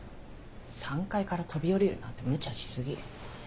３階から飛び降りるなんてむちゃしすぎ。